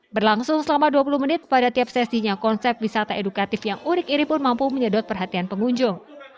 berlangsung selama dua puluh menit pada tiap sesinya konsep wisata edukatif yang unik iri pun mampu menyedot perhatian pengunjung